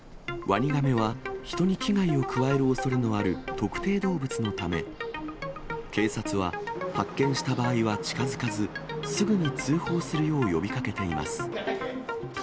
ワニガメは人に危害を加えるおそれのある特定動物のため、警察は発見した場合は近づかず、すぐに通報するよう呼びかけています。